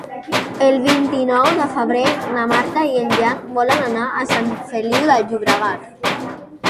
El vint-i-nou de febrer na Marta i en Jan volen anar a Sant Feliu de Llobregat.